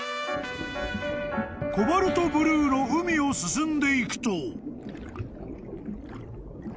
［コバルトブルーの海を進んでいくと］